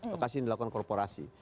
lokasi ini dilakukan korporasi